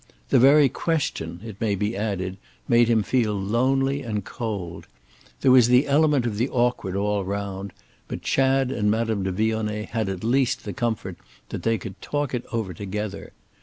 The very question, it may be added, made him feel lonely and cold. There was the element of the awkward all round, but Chad and Madame de Vionnet had at least the comfort that they could talk it over together.